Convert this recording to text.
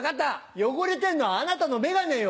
汚れてんの、あなたの眼鏡よ。